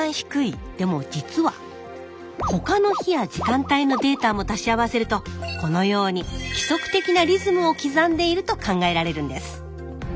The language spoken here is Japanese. でも実は他の日や時間帯のデータも足し合わせるとこのように規則的なリズムを刻んでいると考えられるんです。